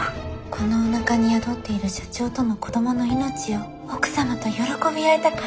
このおなかに宿っている社長との子どもの命を奥様と喜び合いたかった。